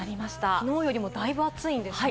昨日よりだいぶ暑いんですね。